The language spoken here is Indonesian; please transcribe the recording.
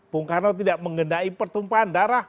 bung karno tidak mengendai pertumpahan darah